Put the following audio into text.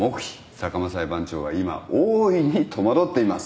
坂間裁判長は今大いに戸惑っています。